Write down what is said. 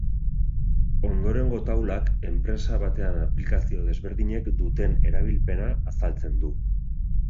Ondorengo taulak, enpresa batean aplikazio desberdinek duten erabilpena azaltzen du.